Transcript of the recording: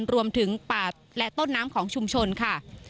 รวมถึงป่าและต้นน้ำของชุมชนค่ะ